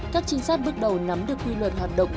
các trinh sát bước đầu nắm được quy luật hoạt động